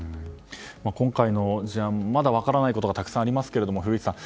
今回の時間まだ分からないことがたくさんありますが古市さん